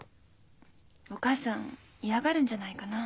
お母さん嫌がるんじゃないかな。